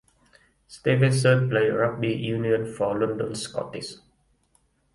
Stevenson played rugby union for London Scottish.